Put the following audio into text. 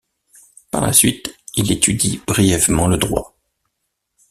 Par la suite, il étudie brièvement le droit.